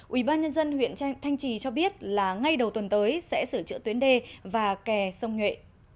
ubnd huyện thanh trì cho biết là ngay đầu tuần tới sẽ sửa chữa tuyến đê và kè sông nhuệ